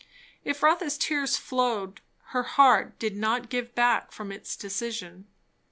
If Rotha's tears flowed, her heart did not give back from its decision.